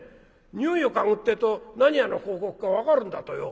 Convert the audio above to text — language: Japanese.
匂いを嗅ぐってえと何屋の広告か分かるんだとよ」。